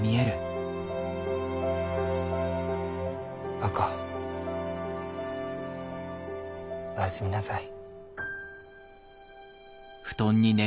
若おやすみなさい。